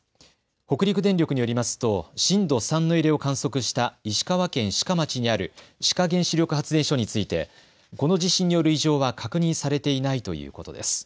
北陸電力によりますと震度３の揺れを観測した石川県志賀町にある志賀原子力発電所についてこの地震による異常は確認されていないということです。